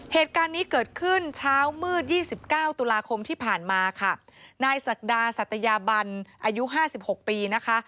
เหตุการณ์นี้เกิดขึ้นเช้ามืด๒๙ตุลาคมที่ผ่านมาค่ะนายศักดาสัตยาบันอายุ๕๖ปีนะคะ